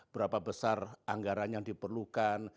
berapa besar anggaran yang diperlukan